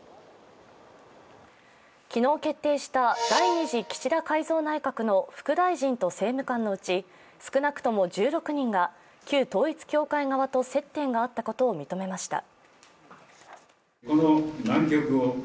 昨日決定した第２次岸田改造内閣の副大臣と政務官のうち少なくとも１６人が旧統一教会側と接点があったことを認めました。